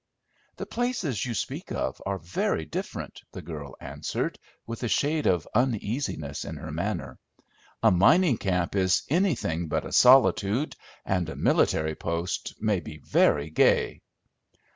"The places you speak of are very different," the girl answered, with a shade of uneasiness in her manner. "A mining camp is anything but a solitude, and a military post may be very gay."